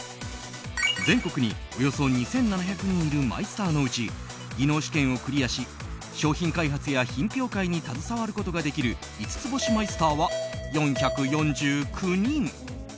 全国におよそ２７００人いるマイスターのうち技能試験をクリアし商品開発や品評会に携わることができる五ツ星マイスターは４４９人。